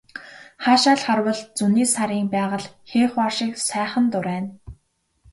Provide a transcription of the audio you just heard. Хаашаа л харвал зуны сарын байгаль хээ хуар шиг сайхан дурайна.